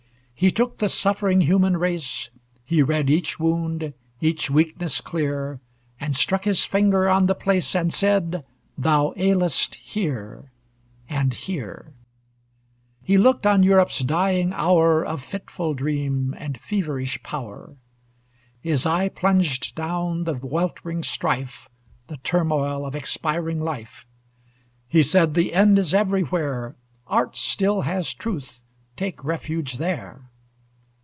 He took the suffering human race, He read each wound, each weakness clear; And struck his finger on the place, And said: Thou ailest here, and here! He looked on Europe's dying hour Of fitful dream and feverish power; His eye plunged down the weltering strife, The turmoil of expiring life He said, The end is everywhere, Art still has truth, take refuge there!